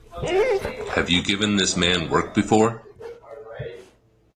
Have you given this man work before?